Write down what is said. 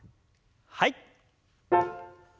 はい。